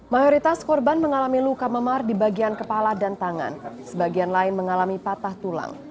mayoritas korban mengalami luka memar di bagian kepala dan tangan sebagian lain mengalami patah tulang